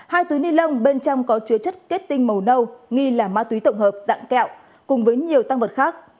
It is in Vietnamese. hai túi ni lông bên trong có chứa chất kết tinh màu nâu nghi là ma túy tổng hợp dạng kẹo cùng với nhiều tăng vật khác